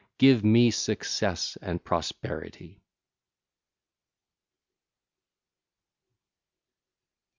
Give me success and prosperity.